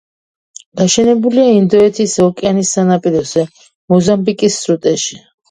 გაშენებულია ინდოეთის ოკეანის სანაპიროზე, მოზამბიკის სრუტეში.